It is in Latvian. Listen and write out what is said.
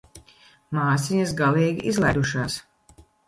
Māsiņas galīgi izlaidušās.